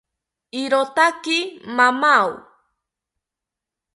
Irotaki mamao